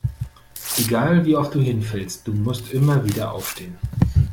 Egal wie oft du hinfällst, du musst immer wieder aufstehen.